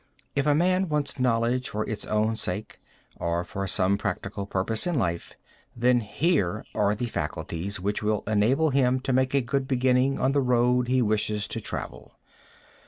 If a man wants knowledge for its own sake, or for some practical purpose in life, then here are the faculties which will enable him to make a good beginning on the road he wishes to travel.